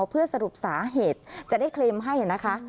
เพื่อสรุปสาเหตุจะได้เคลมให้นะคะ